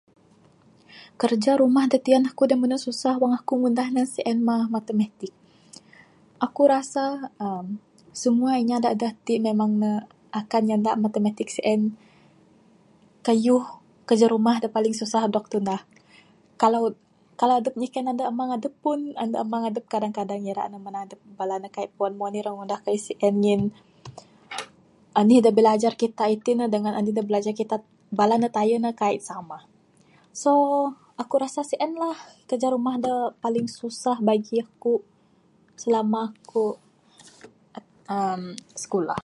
Kerja rumah de tian ekuk de menek susah wang ekuk ngundah ne, sien mah matematik ekuk rasa uhh semua inya de ti memang ne akan nyenda matematik sien, keyuh kerja rumah de paling susah dog tundah, kalau, kalau adep nyiken andu emang edep pun, andu emang edep kadang-kadang irak ne menang edep bala ne kaik puan mungnih irak ngundah keyuh sien ngin, anih de belajar kitak itik ne dengan anih de belajar kitak, bala ne tayek ne kaik samah, so ekuk rasa sien lah kerja rumah de paling susah bagi kuk selama ekuk uhh sekulah.